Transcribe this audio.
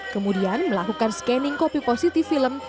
kemudian melakukan scanning copy positive film